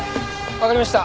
わかりました。